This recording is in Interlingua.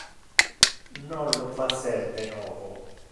Non lo facer de novo.